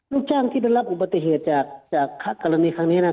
ลูกจ้างที่ได้รับอุบัติเหตุจากกรณีครั้งนี้นะครับ